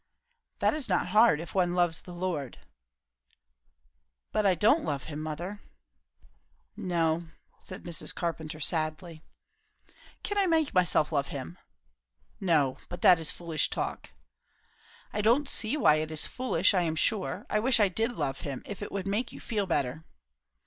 "That is not hard, if one loves the Lord." "But I don't love him, mother." "No," said Mrs. Carpenter sadly. "Can I make myself love him?" "No; but that is foolish talk." "I don't see why it is foolish, I am sure. I wish I did love him, if it would make you feel better."